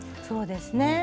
そうですね。